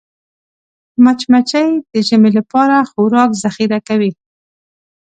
مچمچۍ د ژمي لپاره خوراک ذخیره کوي